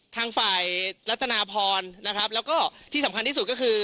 ทางฝ่ายรัฐนาพรนะครับแล้วก็ที่สำคัญที่สุดก็คือ